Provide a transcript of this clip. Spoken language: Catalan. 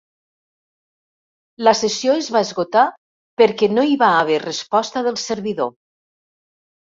La sessió es va esgotar perquè no hi va haver resposta del servidor.